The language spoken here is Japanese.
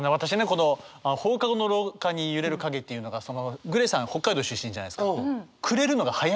この「放課後の廊下に揺れる影」っていうのがＧＬＡＹさん北海道出身じゃないですか。